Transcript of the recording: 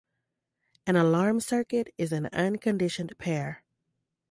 An alarm circuit is an unconditioned pair.